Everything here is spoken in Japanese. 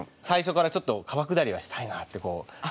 最初からちょっと川下りはしたいなってこう。